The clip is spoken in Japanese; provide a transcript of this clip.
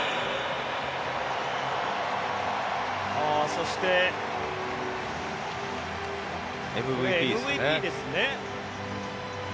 そして、ＭＶＰですね。